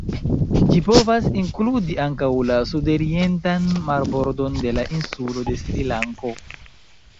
Ĝi povas inkludi ankaŭ la sudorientan marbordon de la insulo de Srilanko.